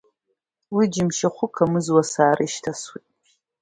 Лыџьымшь ахәы қамызуа асаара ишьҭасуеит.